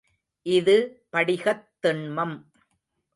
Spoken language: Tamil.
இது படிகத் திண்மம்.